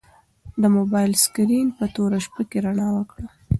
د موبایل سکرین په توره شپه کې رڼا وکړه.